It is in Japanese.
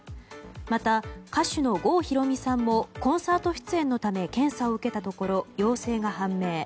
また歌手の郷ひろみさんもコンサート出演のため検査を受けたところ陽性が判明。